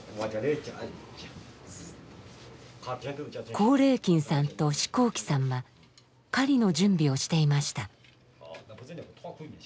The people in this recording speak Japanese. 光礼金さんと四光記さんは狩りの準備をしていました。